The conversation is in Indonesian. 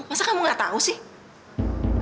masa kamu gak tahu sih